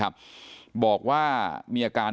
แล้วก็ช่วยกันนำนายธีรวรรษส่งโรงพยาบาล